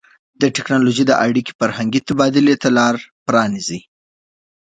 د ټیکنالوژۍ دا اړیکې فرهنګي تبادلې ته لار پرانیزي.